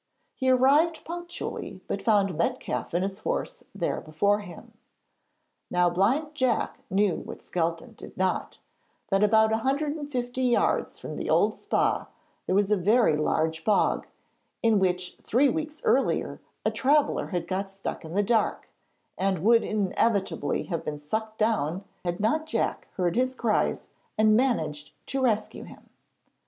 He arrived punctually, but found Metcalfe and his horse there before him. Now Blind Jack knew what Skelton did not, that about a hundred and fifty yards from the old Spa there was a very large bog, in which three weeks earlier a traveller had got stuck in the dark, and would inevitably have been sucked down had not Jack heard his cries and managed to rescue him.